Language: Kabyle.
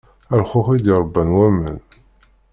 A lxux i d-ṛebban waman.